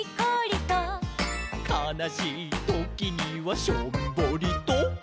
「かなしいときにはしょんぼりと」